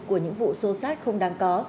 của những vụ xô xát không đáng có